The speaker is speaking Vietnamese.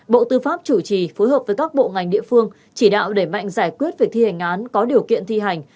bộ tư pháp chủ trì phối hợp với các bộ ngành địa phương chỉ đạo đẩy mạnh giải quyết việc thi hành án có điều kiện thi hành